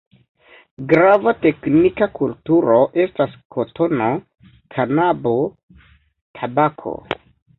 Grava teknika kulturo estas kotono, kanabo, tabako.